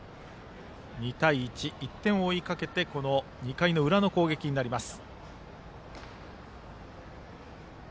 ２対１と１点を追いかけて２回の裏の攻撃になります。